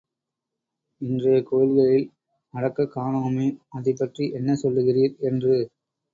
இன்றையக் கோயில்களில் நடக்கக் காணோமே, அதைப் பற்றி என்ன சொல்லுகிறீர் என்று.